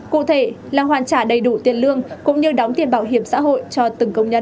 cụ thể là hoàn trả đầy đủ tiền lương cũng như đóng tiền bảo hiểm xã hội cho từng công nhân